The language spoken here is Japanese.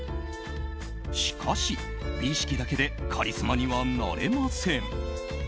しかし、美意識だけでカリスマにはなりません。